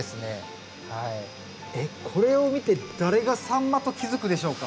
えっこれを見て誰がサンマと気付くでしょうか。